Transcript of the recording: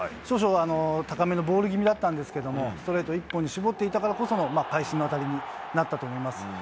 少々、高めのボール気味だったんですけれども、ストレート一本に絞っていたからこそ、会心の当たりになったと思います。